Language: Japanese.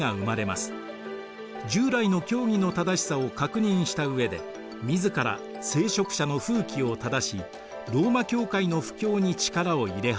従来の教義の正しさを確認した上で自ら聖職者の風紀を正しローマ教会の布教に力を入れ始めます。